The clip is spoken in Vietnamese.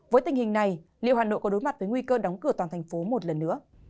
với tình hình này liệu hà nội có đối mặt với nguy cơ đóng cửa toàn thành phố một lần nữa